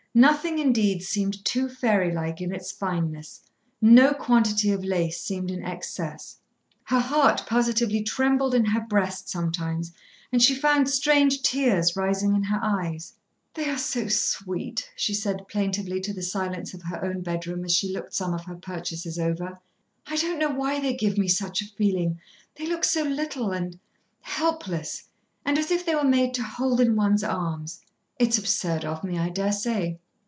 Nothing indeed seemed too fairy like in its fineness, no quantity of lace seemed in excess. Her heart positively trembled in her breast sometimes, and she found strange tears rising in her eyes. "They are so sweet," she said plaintively to the silence of her own bedroom as she looked some of her purchases over. "I don't know why they give me such a feeling. They look so little and helpless, and as if they were made to hold in one's arms. It's absurd of me, I daresay."